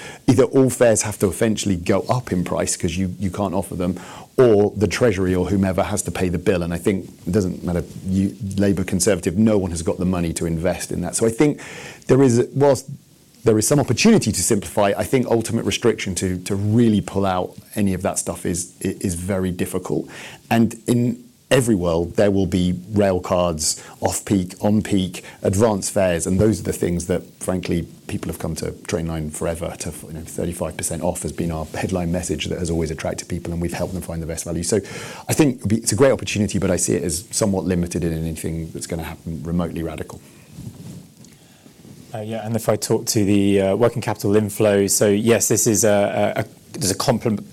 all fares have to eventually go up in price 'cause you can't offer them, or the Treasury or whomever has to pay the bill, and I think it doesn't matter, you, Labour Conservative, no one has got the money to invest in that. So I think there is, whilst there is some opportunity to simplify, I think ultimate restriction to really pull out any of that stuff is very difficult. And in every world, there will be Railcards, off-peak, on-peak, Advance fares, and those are the things that, frankly, people have come to Trainline forever to, you know, 35% off has been our headline message that has always attracted people, and we've helped them find the best value. So I think it'll be, it's a great opportunity, but I see it as somewhat limited in anything that's gonna happen remotely radical. Yeah, and if I talk to the working capital inflows, so yes, this is a, there's a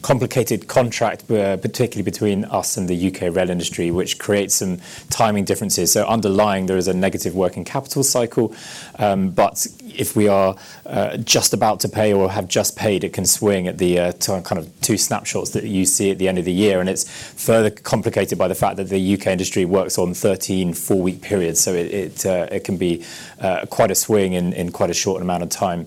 complicated contract, particularly between us and the U.K. rail industry, which creates some timing differences. So underlying there is a negative working capital cycle, but if we are just about to pay or have just paid, it can swing at the kind of two snapshots that you see at the end of the year. And it's further complicated by the fact that the U.K. industry works on 13 four-week periods, so it can be quite a swing in quite a short amount of time.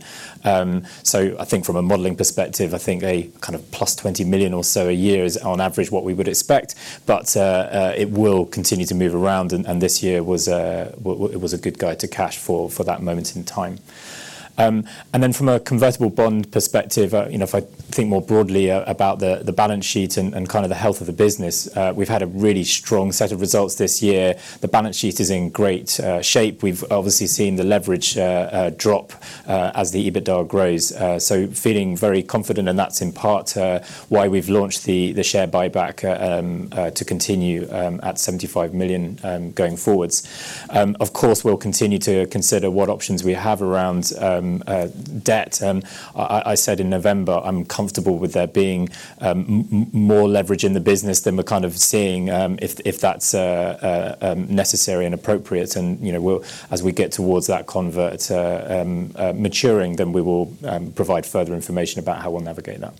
So I think from a modeling perspective, I think a kind of 20+ million or so a year is on average what we would expect, but it will continue to move around, and this year was a good guide to cash for that moment in time. And then from a convertible bond perspective, you know, if I think more broadly about the balance sheet and kind of the health of the business, we've had a really strong set of results this year. The balance sheet is in great shape. We've obviously seen the leverage drop as the EBITDA grows. So feeling very confident, and that's in part why we've launched the share buyback to continue at 75 million going forwards. Of course, we'll continue to consider what options we have around debt. I said in November, I'm comfortable with there being more leverage in the business than we're kind of seeing, if that's necessary and appropriate. And, you know, we'll, as we get towards that convert maturing, then we will provide further information about how we'll navigate that.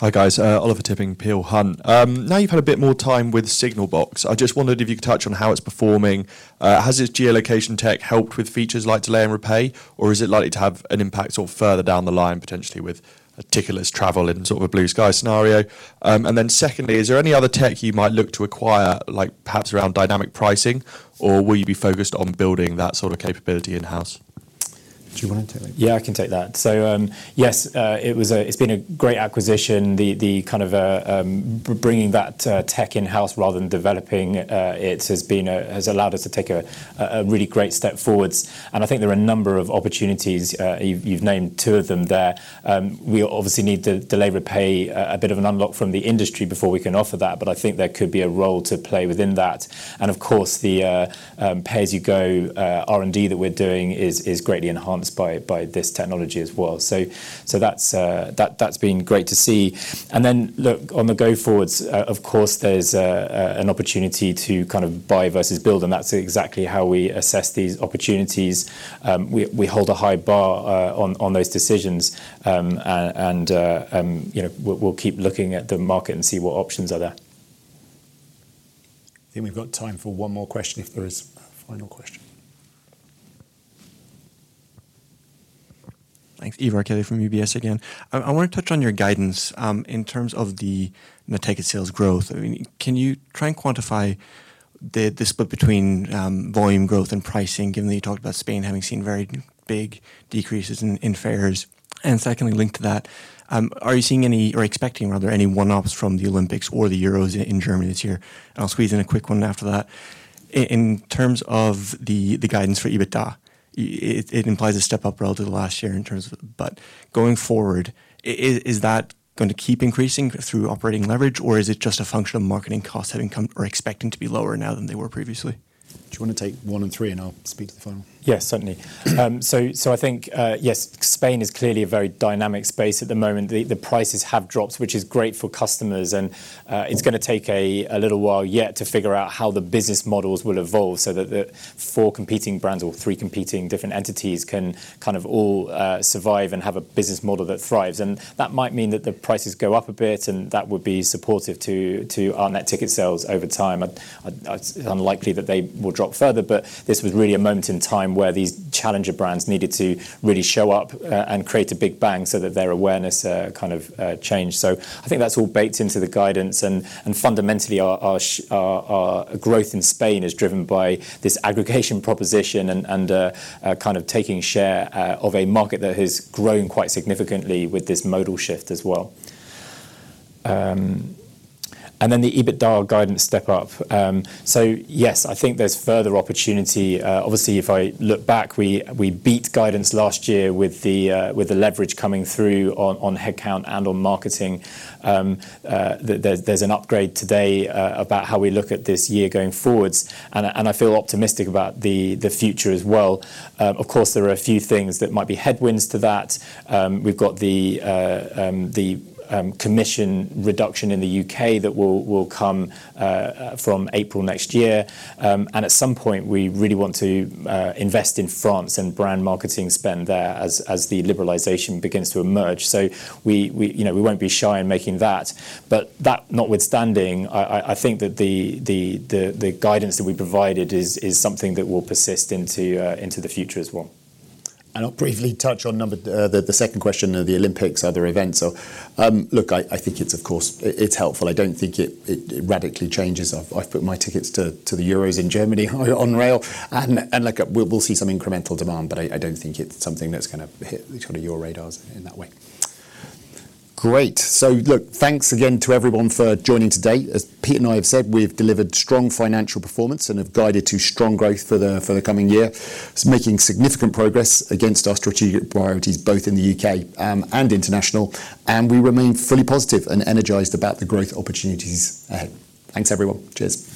Hi, guys, Oliver Tipping, Peel Hunt. Now you've had a bit more time with Signalbox, I just wondered if you could touch on how it's performing. Has this geolocation tech helped with features like Delay and Repay, or is it likely to have an impact sort of further down the line, potentially with multimodal travel in sort of a blue sky scenario? And then secondly, is there any other tech you might look to acquire, like perhaps around dynamic pricing, or will you be focused on building that sort of capability in-house? Do you want to take that? Yeah, I can take that. So, yes, it was, it's been a great acquisition. The kind of bringing that tech in-house rather than developing it has allowed us to take a really great step forward. And I think there are a number of opportunities. You've named two of them there. We obviously need the Delay Repay, a bit of an unlock from the industry before we can offer that, but I think there could be a role to play within that. And of course, the pay-as-you-go R&D that we're doing is greatly enhanced by this technology as well. So, that's been great to see. And then, look, on the go forwards, of course, there's an opportunity to kind of buy versus build, and that's exactly how we assess these opportunities. We hold a high bar on those decisions. You know, we'll keep looking at the market and see what options are there. I think we've got time for one more question, if there is a final question. Thanks. Ivar Kelly from UBS again. I want to touch on your guidance in terms of the net ticket sales growth. I mean, can you try and quantify the split between volume growth and pricing, given that you talked about Spain having seen very big decreases in fares? And secondly, linked to that, are you seeing any, or expecting, rather, any one-offs from the Olympics or the Euros in Germany this year? And I'll squeeze in a quick one after that. In terms of the guidance for EBITDA, it implies a step-up relative to last year in terms of, but going forward, is that going to keep increasing through operating leverage, or is it just a function of marketing costs having come or expecting to be lower now than they were previously? Do you want to take one and three, and I'll speak to the final? Yes, certainly. So I think, yes, Spain is clearly a very dynamic space at the moment. The prices have dropped, which is great for customers, and it's gonna take a little while yet to figure out how the business models will evolve so that the four competing brands or three competing different entities can kind of all survive and have a business model that thrives. And that might mean that the prices go up a bit, and that would be supportive to our net ticket sales over time. It's unlikely that they will drop further, but this was really a moment in time where these challenger brands needed to really show up and create a big bang so that their awareness kind of changed. So I think that's all baked into the guidance, and fundamentally, our growth in Spain is driven by this aggregation proposition and kind of taking share of a market that has grown quite significantly with this modal shift as well. And then the EBITDA guidance step-up. So yes, I think there's further opportunity. Obviously, if I look back, we beat guidance last year with the leverage coming through on headcount and on marketing. There's an upgrade today about how we look at this year going forwards, and I feel optimistic about the future as well. Of course, there are a few things that might be headwinds to that. We've got the commission reduction in the U.K. that will come from April next year. And at some point, we really want to invest in France and brand marketing spend there as the liberalization begins to emerge. So we, you know, we won't be shy in making that. But that notwithstanding, I think that the guidance that we provided is something that will persist into the future as well. I'll briefly touch on the second question of the Olympics, other events. So, look, I think it's, of course, helpful. I don't think it radically changes. I've put my tickets to the Euros in Germany on rail, and look, we'll see some incremental demand, but I don't think it's something that's gonna hit kind of your radars in that way. Great. So look, thanks again to everyone for joining today. As Pete and I have said, we've delivered strong financial performance and have guided to strong growth for the coming year. Making significant progress against our strategic priorities, both in the U.K. and international, and we remain fully positive and energized about the growth opportunities ahead. Thanks, everyone. Cheers.